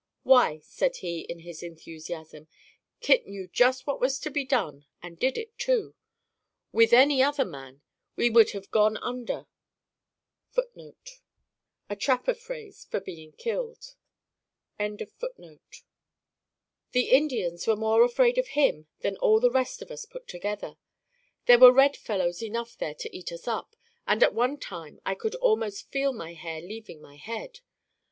"Why," said he in his enthusiasm, "Kit knew just what was to be done and did it too. With any other man, we would have gone under The Indians were more afraid of him than all the rest of us put together. There were red fellows enough there to eat us up, and at one time I could almost feel my hair leaving my head.